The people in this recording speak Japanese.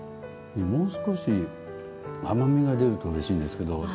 もう少し甘みが出ると嬉しいんですけど